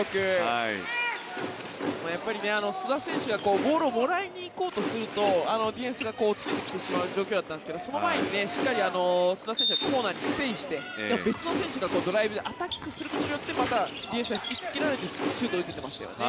やっぱり須田選手がボールをもらいに行こうとするとディフェンスがついてきてしまう状況だったんですけどその前にしっかり須田選手がコーナーにステイして別の選手がドライブでアタックすることによってまたディフェンスが引きつけられてシュートを打ててますよね。